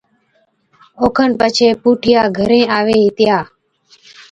اوکن پڇي پُوٺِيا گھرين آوي ھِتيا۔